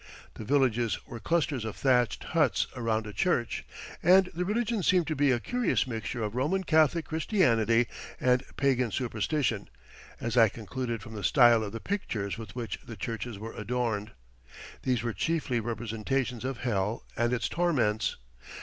The villages were clusters of thatched huts around a church, and the religion seemed to be a curious mixture of Roman Catholic Christianity and pagan superstition, as I concluded from the style of the pictures with which the churches were adorned. These were chiefly representations of hell and its torments.